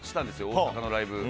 大阪のライブに。